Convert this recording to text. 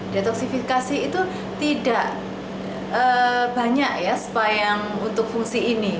detoksifikasi itu tidak banyak ya spa yang untuk fungsi ini